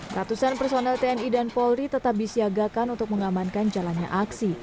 ratusan personel tni dan polri tetap disiagakan untuk mengamankan jalannya aksi